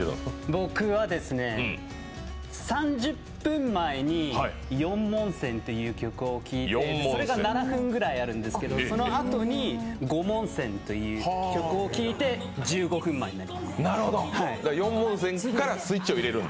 僕は、３０分前に「四文銭」っていう曲を聴いてそれが７分ぐらいあるんですけどそのあとに「五文銭」という曲を聴いてスイッチを入れる。